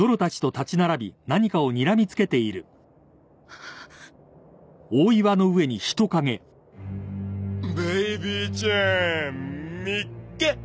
ハァッベイビーちゃんみっけ！